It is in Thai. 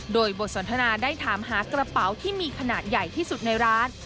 โดยบทสนทนาได้ถามหากระเป๋าที่มีขนาดใหญ่ที่สุดในร้าน